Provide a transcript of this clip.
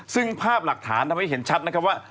ซึ่งภาพหลักฐานทำให้เห็นชัดนะครับว่า